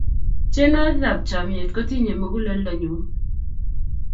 tenwokik ap chamyet kotinyei mukuleldo nyuu